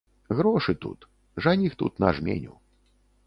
Грошы тут, жаніх тут на жменю.